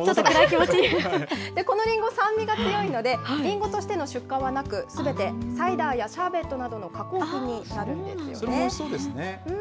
このりんご、酸味が強いので、りんごとしての出荷はなく、すべてサイダーやシャーベットなどのそれもそうですね。